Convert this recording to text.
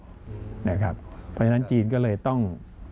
เพราะฉะนั้นจีนก็เลยต้อง